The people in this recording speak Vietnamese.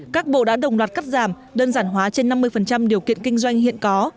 các bộ đã đồng loạt cắt giảm đơn giản hóa trên năm mươi điều kiện kinh doanh hiện có